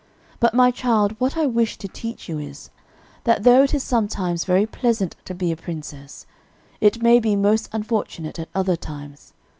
"But, my child, what I wish to teach you is, that though it is sometimes very pleasant to be a princess, it may be most unfortunate at other times.